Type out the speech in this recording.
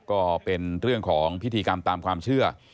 ก็เป็นเรื่องของพิธีกรรมตามความเชื่อ